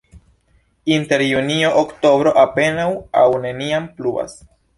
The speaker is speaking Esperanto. Inter junio-oktobro apenaŭ aŭ neniam pluvas.